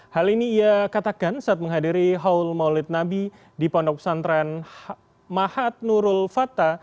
hal ini ia katakan saat menghadiri haul maulid nabi di pondok pesantren mahat nurul fata